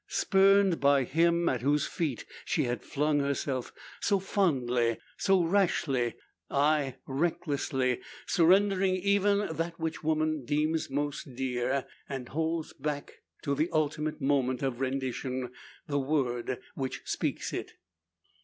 Spurned by him at whose feet she has flung herself, so fondly, so rashly ay, recklessly surrendering even that which woman deems most dear, and holds back to the ultimate moment of rendition the word which speaks it!